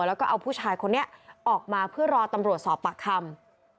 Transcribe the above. แล้วก็เอาผู้ชายคนนี้ออกมาเพื่อรอตำรวจสอบปากคำ